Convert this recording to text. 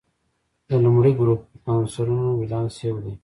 د لومړي ګروپ د عنصرونو ولانس یو دی.